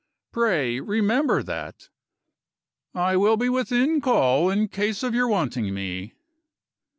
Pray remember that. I will be within call, in case of your wanting me."